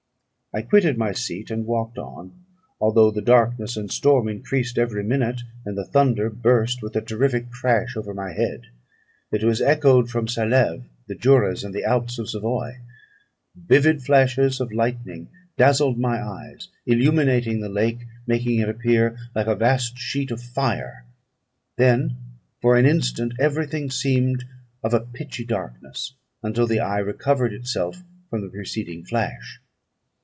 I quitted my seat, and walked on, although the darkness and storm increased every minute, and the thunder burst with a terrific crash over my head. It was echoed from Salêve, the Juras, and the Alps of Savoy; vivid flashes of lightning dazzled my eyes, illuminating the lake, making it appear like a vast sheet of fire; then for an instant every thing seemed of a pitchy darkness, until the eye recovered itself from the preceding flash.